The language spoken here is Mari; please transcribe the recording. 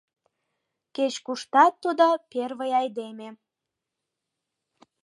Кеч-куштат тудо — первый айдеме.